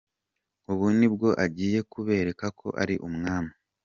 Ubu ni bwo agiye kubereka ko ari Umwami.